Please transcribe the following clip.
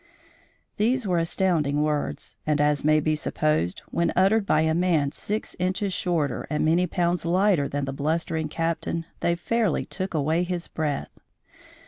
These were astounding words, and, as may be supposed, when uttered by a man six inches shorter and many pounds lighter than the blustering Captain, they fairly took away his breath.